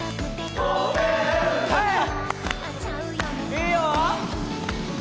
いいよ！